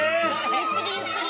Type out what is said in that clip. ゆっくりゆっくり。